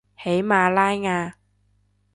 喜马拉雅